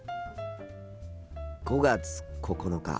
５月９日。